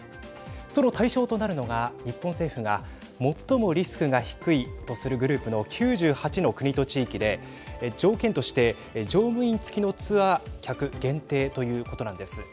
その対象となるのが日本政府が、最もリスクが低いとするグループの９８の国と地域で条件として、乗務員付きのツアー客限定ということなんです。